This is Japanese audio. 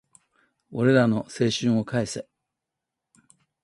俺らの青春を返せ